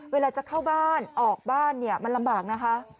เวลาจะเข้าบ้านออกบ้านเนี่ยมันลำบากนะคะ